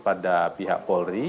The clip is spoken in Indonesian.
pada pihak polri